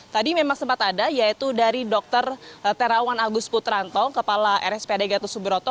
tadi memang sempat ada yaitu dari dr terawan agus putranto kepala rspd gatot subroto